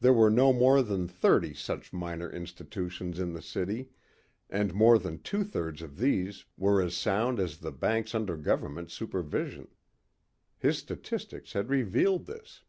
There were no more than thirty such minor institutions in the city and more than two thirds of these were as sound as the banks under government supervision. His statistics had revealed this.